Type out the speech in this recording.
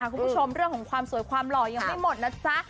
คุณผู้ชมเรื่องของความสวยความหล่อยังไม่หมดนะจ๊ะ